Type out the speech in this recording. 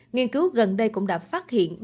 nghiên cứu gần đây cũng đã phát hiện